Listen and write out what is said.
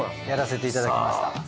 やらせていただきました。